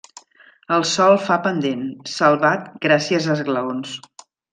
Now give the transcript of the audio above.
El sòl fa pendent, salvat gràcies a esglaons.